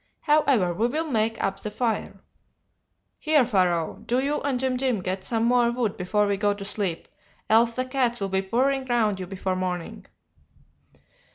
However, we will make up the fire.' "'Here, Pharaoh, do you and Jim Jim get some more wood before we go to sleep, else the cats will be purring round you before morning.